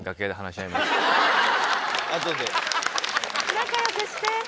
仲良くして。